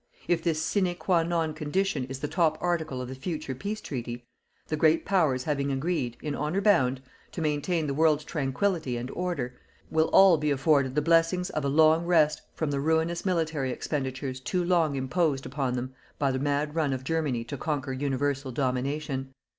If this sine qua non condition is the top article of the future peace treaty, the great Powers having agreed, in honour bound, to maintain the world's tranquillity and order, will all be afforded the blessings of a long rest from the ruinous military expenditures too long imposed upon them by the mad run of Germany to conquer universal domination.